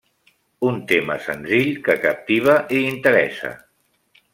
Un tema senzill que captiva i interessa.